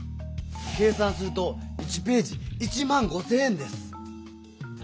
計算すると１ページ１５０００円です。